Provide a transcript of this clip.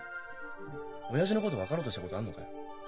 親父のこと分かろうとしたことあんのかよ？